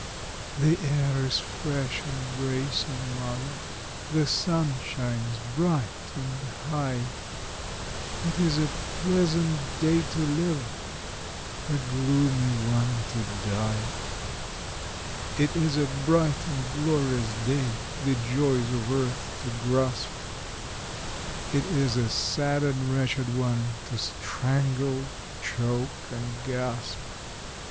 The air is fresh and bracing, mother; the sun shines bright and high; It is a pleasant day to live a gloomy one to die! It is a bright and glorious day the joys of earth to grasp It is a sad and wretched one to strangle, choke, and gasp!